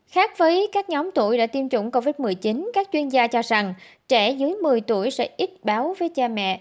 khác với các nhóm tuổi đã tiêm chủng covid một mươi chín các chuyên gia cho rằng trẻ dưới một mươi tuổi sẽ ít báo với cha mẹ